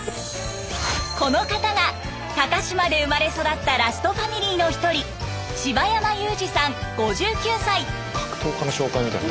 この方が高島で生まれ育ったラストファミリーの一人格闘家の紹介みたい。